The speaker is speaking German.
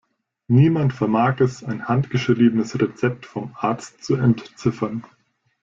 Niemand vermag es, ein handgeschriebenes Rezept vom Arzt zu entziffern.